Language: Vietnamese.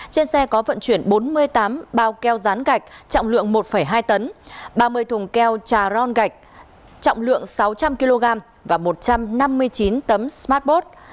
trên xe có vận chuyển bốn mươi tám bao keo rán gạch trọng lượng một hai tấn ba mươi thùng keo trà ron gạch trọng lượng sáu trăm linh kg và một trăm năm mươi chín tấm smartppot